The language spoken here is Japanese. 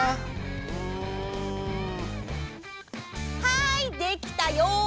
はいできたよ！